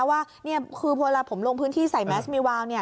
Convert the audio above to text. ว่าพอละผมลงพื้นที่ใส่แมสมีวาว